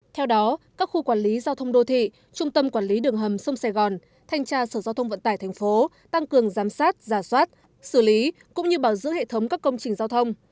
theo đó các khu quản lý giao thông đô thị trung tâm quản lý đường hầm sông sài gòn thanh tra sở giao thông vận tải tp hcm tăng cường giám sát giả soát xử lý cũng như bảo dưỡng hệ thống các công trình giao thông